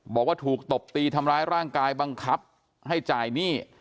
บอกว่าถูกตบตีทำร้ายร่างกายบังคับให้จ่ายหนี้